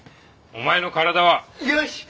お前の体は。よし！